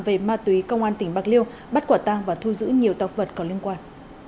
về ma túy công an tỉnh bạc liêu bắt quả tang và thu giữ nhiều tộc vật có liên quan